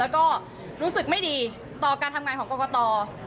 แล้วก็รู้สึกไม่ดีต่อการทำงานของกรกต